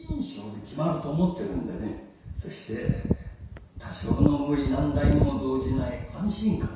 そして多少の無理難題にも動じない安心感。